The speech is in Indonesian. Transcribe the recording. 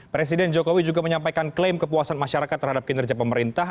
presiden jokowi juga menyampaikan klaim kepuasan masyarakat terhadap kinerja pemerintah